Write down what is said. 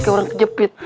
kayak orang kejepit